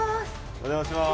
お邪魔します。